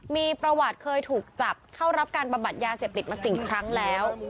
มีประวัติเคยถูกจับเข้ารับการบำบัดยาเสพติดมา๔ครั้งแล้ว